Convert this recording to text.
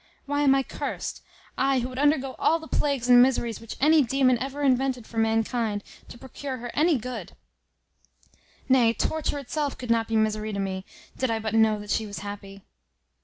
Why am I cursed? I, who would undergo all the plagues and miseries which any daemon ever invented for mankind, to procure her any good; nay, torture itself could not be misery to me, did I but know that she was happy."